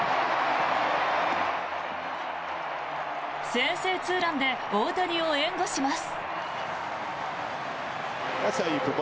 先制ツーランで大谷を援護します。